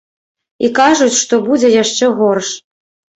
І кажуць, што будзе яшчэ горш.